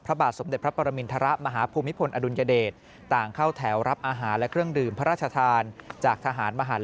พระบาทสมเด็จพระปรมิณฑระมหาภูมิพลอดุลยเดช